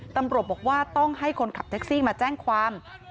ตำรวจบอกว่าต้องให้คนขับแท็กซี่มาแจ้งความ